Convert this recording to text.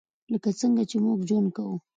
لکه څنګه چې موږ ژوند کوو .